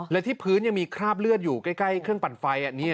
และที่พื้นยังมีคราบเลือดอยู่ใกล้เครื่องปั่นไฟ